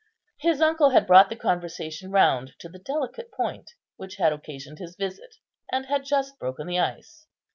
His uncle had brought the conversation round to the delicate point which had occasioned his visit, and had just broken the ice.